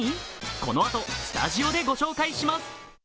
このあとスタジオでご紹介します。